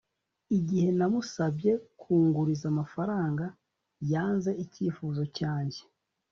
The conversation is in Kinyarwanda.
Igihe namusabye kunguriza amafaranga yanze icyifuzo cyanjye